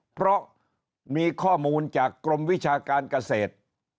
เพราะมีข้อมูลจากกรมวิชาการเกษตร